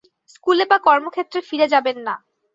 স্কুলে বা কর্মক্ষেত্রে ফিরে যাবেন না।